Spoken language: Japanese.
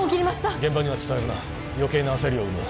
現場には伝えるな余計な焦りを生む